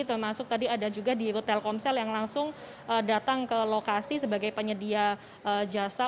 termasuk tadi ada juga di telkomsel yang langsung datang ke lokasi sebagai penyedia jasa